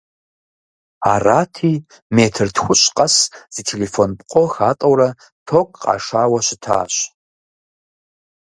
Арати, метр тхущӀ къэс зы телефон пкъо хатӀэурэ ток къашауэ щытащ.